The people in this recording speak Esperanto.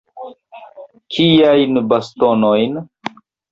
Kiajn bastonojn?